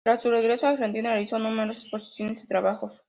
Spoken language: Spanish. Tras su regreso a Argentina realiza numerosas exposiciones y trabajos.